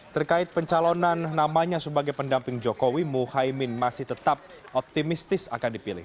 terkait pencalonan namanya sebagai pendamping jokowi muhaymin masih tetap optimistis akan dipilih